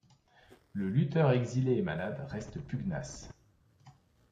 Le lutteur exilé et malade reste pugnace.